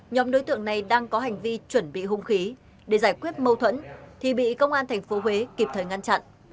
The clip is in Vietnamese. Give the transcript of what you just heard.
nhóm đối tượng này đang có hành vi chuẩn bị hung khí để giải quyết mâu thuẫn thì bị công an tp huế kịp thời ngăn chặn